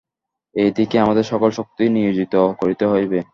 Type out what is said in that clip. এই দিকেই আমাদের সকল শক্তি নিয়োজিত করিতে হইবে।